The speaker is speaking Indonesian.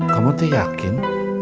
kamu tuh yakin